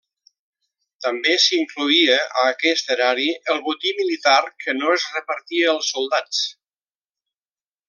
També s'incloïa a aquest erari el botí militar que no es repartia als soldats.